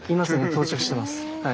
到着してます。